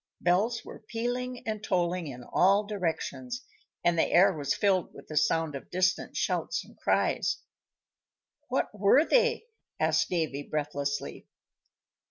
Bells were pealing and tolling in all directions, and the air was filled with the sound of distant shouts and cries. "What were they?" asked Davy, breathlessly.